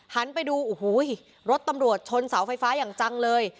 หันไปดูโอ้โหรถตำรวจชนเสาไฟฟ้าอย่างจังเลย